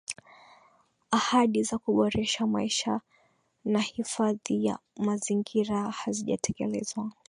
Ahadi za kuboresha maisha na hifadhi ya mazingira hazijatekelezwa